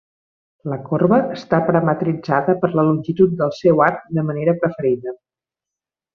La corba està parametritzada per la longitud del seu arc de manera preferida.